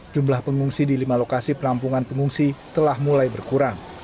jumlah pengungsi di lima lokasi penampungan pengungsi telah mulai berkurang